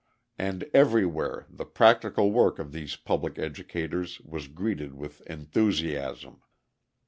And everywhere the practical work of these public educators was greeted with enthusiasm.